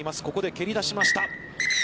ここで蹴り出しました。